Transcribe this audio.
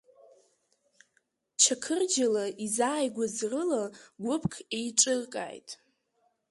Чақырџьалы изааигәаз рыла гәыԥк еиҿыркааит.